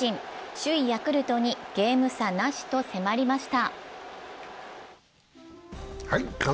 首位ヤクルトにゲーム差なしと迫りました。